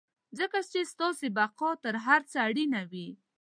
ځکه چې ستاسې بقا تر هر څه اړينه وي.